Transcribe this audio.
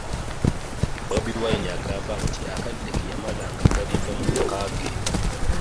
Bobi Wine agamba nti akadde ke yamala ng'aggaliddwa mu maka ge